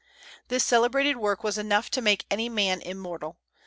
This celebrated work was enough to make any man immortal.